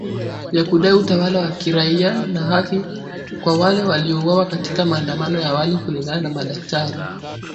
ya kudai utawala wa kiraia na haki kwa wale waliouawa katika maandamano ya awali kulingana na madaktari